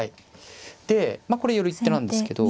でまあこれ寄る一手なんですけど。